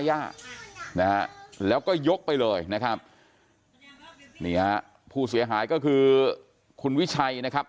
ย่านะฮะแล้วก็ยกไปเลยนะครับนี่ฮะผู้เสียหายก็คือคุณวิชัยนะครับ